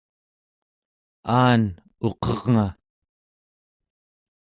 aan, uqernga!